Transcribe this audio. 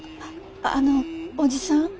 ああのおじさん。